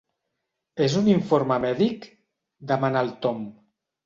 És un informe mèdic? —demana el Tom—.